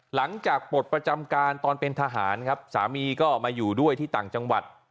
ปลดประจำการตอนเป็นทหารครับสามีก็มาอยู่ด้วยที่ต่างจังหวัด